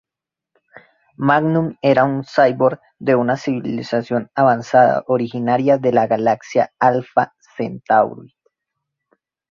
Magnum era un cyborg de una civilización avanzada originaria de la galaxia Alpha Centauri.